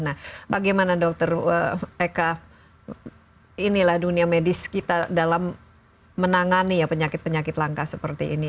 nah bagaimana dokter eka inilah dunia medis kita dalam menangani ya penyakit penyakit langka seperti ini